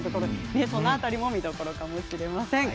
その辺りも見どころかもしれません。